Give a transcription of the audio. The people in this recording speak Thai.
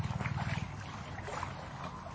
ทุกวันใหม่ทุกวันใหม่